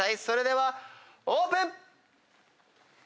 それではオープン！